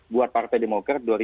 buat partai demokrat